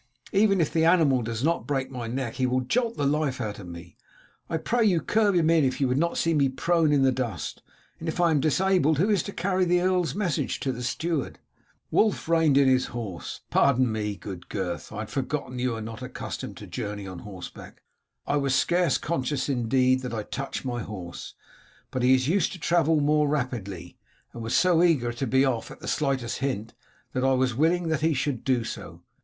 "Even if the animal does not break my neck he will jolt the life out of me. I pray you curb him in if you would not see me prone in the dust; and if I am disabled, who is to carry the earl's message to the steward?" Wulf reined in his horse. "Pardon me, good Gurth. I had forgotten that you are not accustomed to journey on horseback. I was scarce conscious, indeed, that I touched my horse, but he is used to travel more rapidly, and was so eager to be off at the slightest hint that I was willing that he should do so.